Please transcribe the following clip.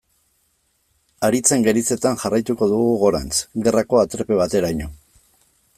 Haritzen gerizetan jarraituko dugu gorantz, gerrako aterpe bateraino.